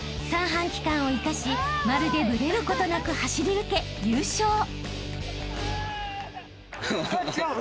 ［三半規管を生かしまるでぶれることなく走り抜け優勝！］